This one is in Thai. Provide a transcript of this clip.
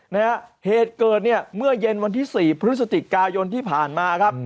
นะฮะเหตุเกิดเนี่ยเมื่อเย็นวันที่สี่พฤศจิกายนที่ผ่านมาครับ